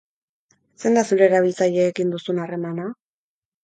Zein da zure erabiltzaileekin duzun harremana?